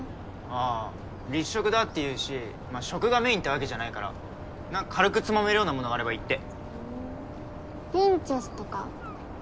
あ立食だっていうし食がメインってわけじゃないから何か軽くつまめるようなものがあればいいってふんピンチョスとか？